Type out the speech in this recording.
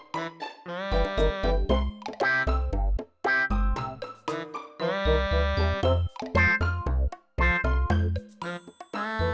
วิ่งตามน้องข้อให้ทันก่อนให้